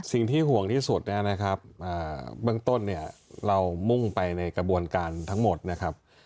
สิ่งที่ห่วงที่สุดนะครับเบื้องต้นเนี่ยเรามุ่งไปในกระบวนการทั้งหมดนะครับ